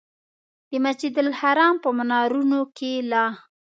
د مسجدالحرام په منارونو کې لا.